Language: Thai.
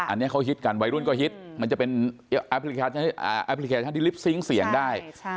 อันนี้เขาฮิตกันวัยรุ่นก็ฮิตมันจะเป็นแอปพลิเคชันที่ลิปซิงค์เสียงได้